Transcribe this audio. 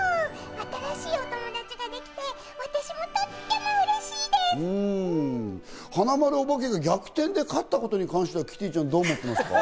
新しいお友達ができて、私もとってもうれしいです！はなまるおばけが逆転で勝ったことに関しては、どう思っていますか？